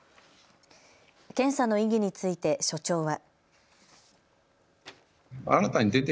検査の意義について所長は。